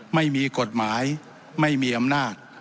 ไม่มีกฎหมายไม่มีอำนาจ